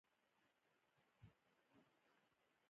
دوکاندار له حرام نه ځان ساتي.